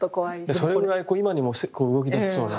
それぐらい今にも動きだしそうな。